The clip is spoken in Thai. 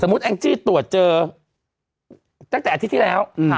มุติแองจี้ตรวจเจอตั้งแต่อาทิตย์ที่แล้ว